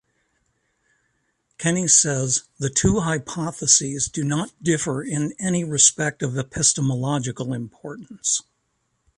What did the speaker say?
Kenny says, the two hypotheses do not differ in any respect of epistemological importance...